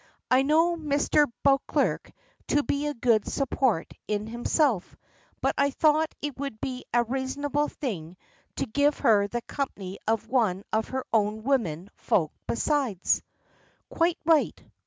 I know Misther Beauclerk to be a good support in himself, but I thought it would be a raisonable thing to give her the company of one of her own women folk besides." "Quite right.